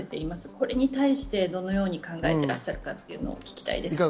これに対してどのように考えていらっしゃるか聞きたいです。